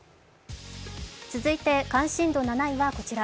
続いて、関心度７位はこちら。